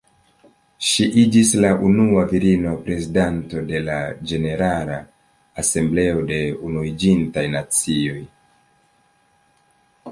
Ŝi iĝis la unua virino prezidanto de la Ĝenerala Asembleo de Unuiĝintaj Nacioj.